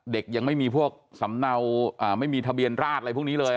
ยังไม่มีพวกสำเนาไม่มีทะเบียนราชอะไรพวกนี้เลย